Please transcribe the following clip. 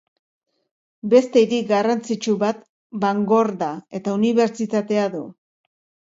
Beste hiri garrantzitsu bat Bangor da, eta unibertsitatea du.